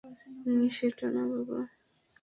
সেটা না বাবা!